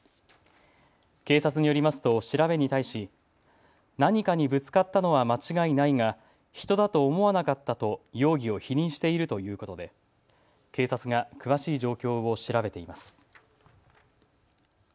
警察によりますと調べに対し何かにぶつかったのは間違いないが人だと思わなかったと容疑を否認しているということで警察が詳しい状況を調べています。